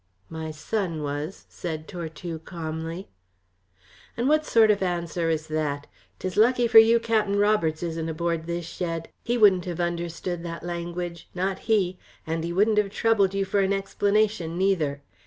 "My son was," said Tortue calmly. "And what sort of answer is that? 'Tis lucky for you Cap'en Roberts isn't aboard this shed. He wouldn't have understood that language, not he and he wouldn't have troubled you for an explanation neither.